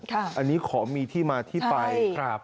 ค่ะอันนี้ของมีที่มาที่ไปครับ